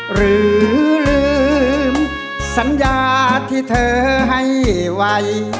หรือลืมสัญญาที่เธอให้ไว้